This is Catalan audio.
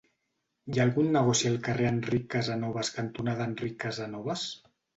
Hi ha algun negoci al carrer Enric Casanovas cantonada Enric Casanovas?